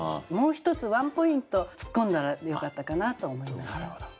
もう一つワンポイント突っ込んだらよかったかなと思いました。